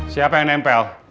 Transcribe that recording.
siapa yang nempel